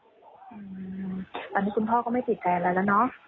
ตอนนี้คุณพ่อก็ไม่ติดใจอะไรแล้วเนอะ